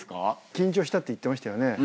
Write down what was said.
緊張したって言ってましたよね。